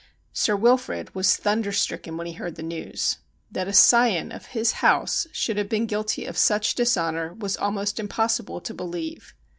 Sir Wilfrid was thunder stricken when he heard the news. That a scion of his house should have been guilty of such dis honour was almost impossible to believe.